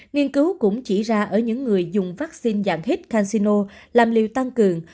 nghiên cứu cũng chỉ ra ở những người dùng vaccine dạng hít casino làm liều tăng cường